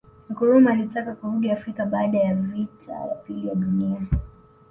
Nkrumah alitaka kurudi Afrika baada ya vita ya pili ya Dunia